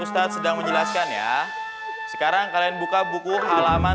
saat sedang menjelaskan ya sekarang kalian buka buku halaman tiga puluh enam